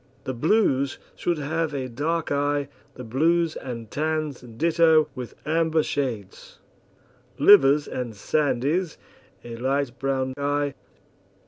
The blues should have a dark eye, the blues and tans ditto, with amber shades; livers and sandies, a light brown eye.